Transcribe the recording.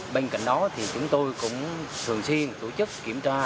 bên cạnh đó thì chúng tôi cũng thường xuyên tổ chức kiểm tra